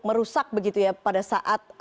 merusak pada saat